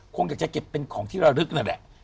คงอยากจะเก็บเป็นของที่ระลึกนั่นแหละ